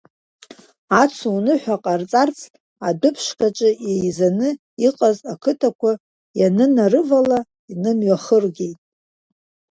Ацуныҳәа ҟазҵарц адәыԥшҟаҿы еизаны иҟаз ақыҭауаа ианынарывала, инымҩахыргеит.